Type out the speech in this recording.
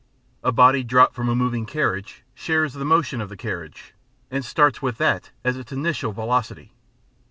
A body dropped from a moving carriage shares the motion of the carriage, and starts with that as its initial velocity.